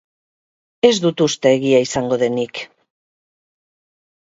Ez dut uste egia izango denik.